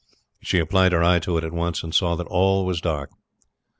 She applied her eye to it at once, and saw that all was dark.